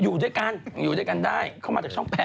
อยู่ด้วยกันอยู่ด้วยกันได้เข้ามาจากช่อง๘